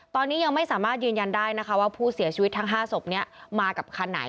ตอนนี้ยังไม่สามารถยืนยันได้นะคะว่าผู้เสียชีวิตทั้ง๕ศพนี้มากับคันไหน